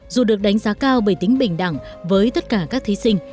dù được đánh giá cao bởi tính bình đẳng với tất cả các thí sinh